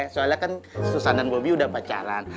soalnya kan susan dan bobi udah pacaran